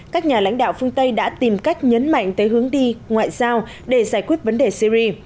các nhà lãnh đạo phương tây đã tìm cách nhấn mạnh tới hướng đi ngoại giao để giải quyết vấn đề syri